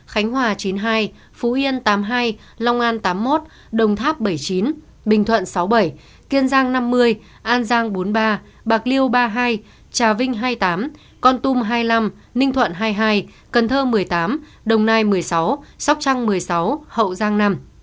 khánh hòa chín mươi hai phú yên tám mươi hai long an tám mươi một đồng tháp bảy mươi chín bình thuận sáu mươi bảy kiên giang năm mươi an giang bốn mươi ba bạc liêu ba mươi hai trà vinh hai mươi tám con tum hai mươi năm ninh thuận hai mươi hai cần thơ một mươi tám đồng nai một mươi sáu sóc trăng một mươi sáu hậu giang năm